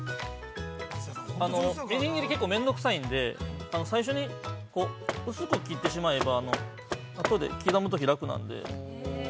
みじん切り、結構面倒くさいんで最初に薄く切ってしまえばあとで刻むとき楽なんで。